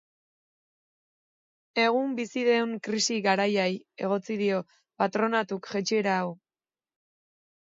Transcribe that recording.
Egun bizi dugun krisi garaiari egotzi dio patronatuak jeitsiera hau.